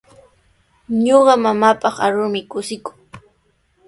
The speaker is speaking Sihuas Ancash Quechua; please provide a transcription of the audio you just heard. Ñuqa mamaapaq arurmi kushikuu.